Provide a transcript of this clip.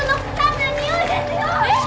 えっ？